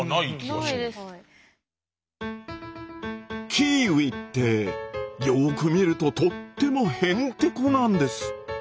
キーウィってよく見るととってもへんてこなんです。